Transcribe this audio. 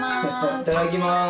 いただきます。